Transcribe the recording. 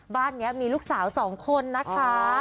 บ้านนี้มีลูกสาว๒คนนะคะ